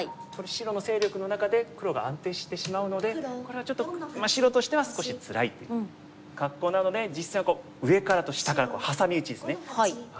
白の勢力の中で黒が安定してしまうのでこれはちょっと白としては少しつらい格好なので実戦は上からと下から挟み撃ちですね。